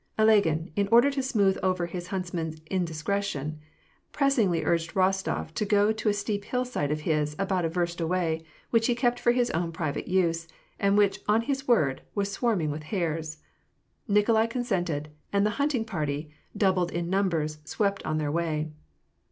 Ilagin, in order to smooth over his huntsman's indiscretion, pressingly urged Eostof to go to a steep hillside of his, about a verst away, which he kept for his own private use, and which, on his word, was swarming with hares. Nikolai con sented ; and the hunting party, doubled in numbers, swept on their way.